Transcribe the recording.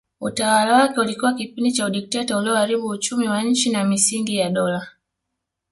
Utawala wake ulikuwa kipindi cha udikteta ulioharibu uchumi wa nchi na misingi ya dola